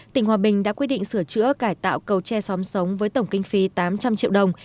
tỉnh hòa bình đã quyết định sửa chữa cải tạo cầu tre xóm sống với tổng kinh phí tám trăm linh triệu đồng